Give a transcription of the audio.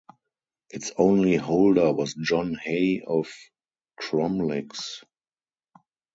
Its only holder was John Hay of Cromlix.